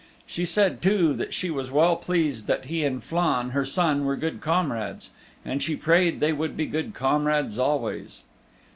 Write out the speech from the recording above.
She said too that she was well pleased that he and Flann her son were good comrades, and she prayed they would be good comrades always.